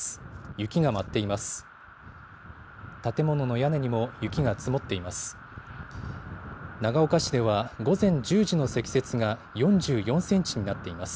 雪が舞っています。